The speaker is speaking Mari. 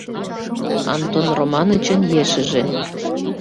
Антон Романычын ешыже.